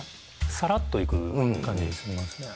さらっといく感じしますね